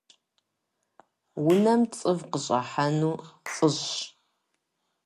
Унэм цӏыв къыщӏыхьэну фӏыщ.